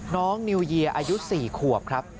นิวเยียร์อายุ๔ขวบครับ